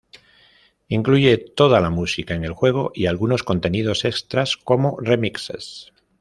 Incluye toda la música en el juego y algunos contenidos extras como remixes.